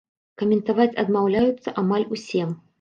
Каментаваць адмаўляюцца амаль усе.